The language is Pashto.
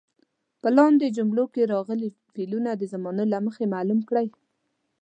په لاندې جملو کې راغلي فعلونه د زمانې له مخې معلوم کړئ.